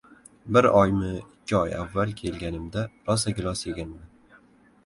Bir oymi- ikki oy avval kelganimda rosa gilos yeganman.